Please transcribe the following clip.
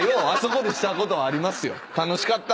楽しかった。